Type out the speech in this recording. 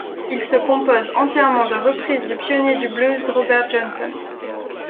Il se compose entièrement de reprises du pionnier du blues Robert Johnson.